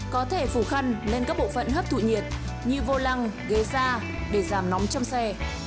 có thể phủ khăn lên các bộ phận hấp thụ nhiệt như vô lăng ghế da để giảm nóng trong xe